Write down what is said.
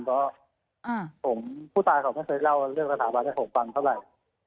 เพราะผู้ตายเขาไม่เคยเล่าเรื่องสถาบันให้ผมฟังเท่าไหร่